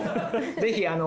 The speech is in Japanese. ぜひ。